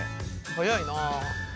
早いな。